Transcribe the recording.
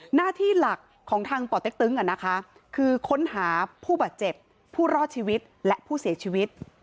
หน้าที่หลักของทางป่อเต็กตึงคือค้นหาผู้บาดเจ็บผู้รอดชีวิตและผู้เสียชีวิต